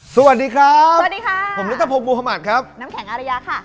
สวัสดีครับผมนิศพพมภมทครับน้ำแข็งอารยะค่ะ